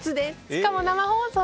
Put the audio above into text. しかも生放送。